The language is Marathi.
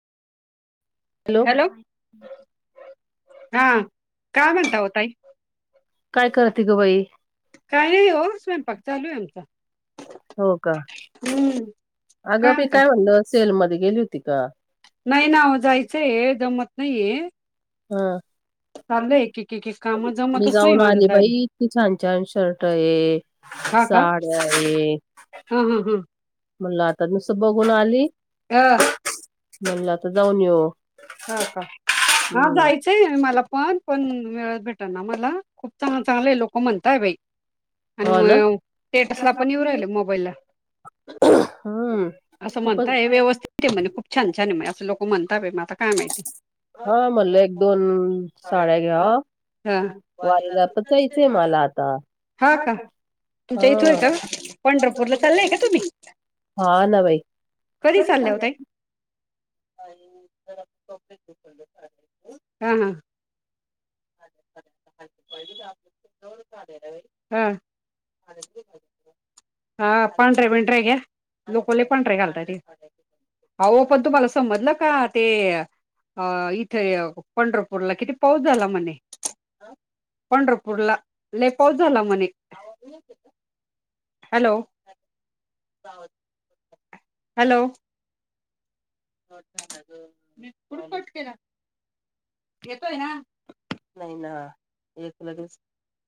हॅलो हा काय म्हणता ओ ताई काय करते ग बाई काय नाही ओ स्वयंपाक चालू हाय आमचा हो का हम्म अगं मी काय म्हणल सेल मध्ये गेली होती का? नाइ ना हो जायचेय जमत नाइये हा चाललंय एक एक एक काम मी जमतच नाही जाऊन माझं आली जायला बाई इतकी छान छान शर्टय हा का हा हा हं म्हणलं आता नुस बघून आली, अ, म्हणलं आता जाऊन येऊ का का हा हम्म जायचंय मला पण पण वेळ भेटन मला खूप चांगला चांगलं आहे लोक म्हणताय बाई आणि हो ना म स्टेटस ला पण येऊ राहिल मोबाईलला हम्म असं खूपच म्हणताय व्यवस्थित आहे म्हणे खूप छान छान आहे असं लोक म्हणतात मग आता काय माहिती आहे हा म्हटलं एक दोन साड्या घ्यावा हा वारीला जायचंय मला आता हा तुमच्या इथं आहे का पंढरपूरला चाललंय का तुम्ही हा ना भाई कधी चाल्या ओ ताई हा हा हा हा हा पांढरे बेंद्रे घ्या आता लोक पांढरे घालतात इथे आ ओ पण तुम्हाला समजलं का ते अ इथे पंढरपूरला किती पाऊस झाला म्हणे पंढरपूरला लई पाऊस झाला म्हणे हॅलो हॅलो मी कुड कट केला येतो ना नाही ना येत लगेच